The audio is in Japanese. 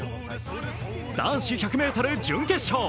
男子１００ｍ準決勝。